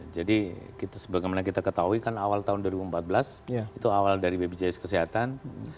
jadi kita ketahui kan awal tahun dua ribu empat belas itu awal dari baby jais kesehatan